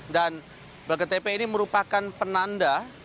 dan black tp ini merupakan penanda